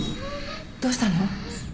どうしたの？